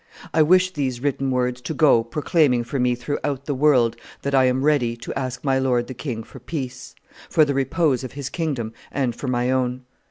... I wish these written words to go proclaiming for me throughout the world that I am ready to ask my lord the king for peace, for the repose of his kingdom and for my own.